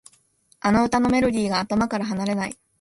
あの歌のメロディーが頭から離れない